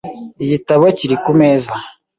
Igitabo kiri kumeza .